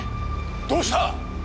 どうした？